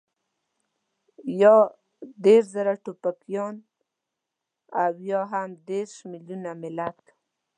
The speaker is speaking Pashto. يا دېرش زره ټوپکيان او يا هم دېرش مېليونه ملت.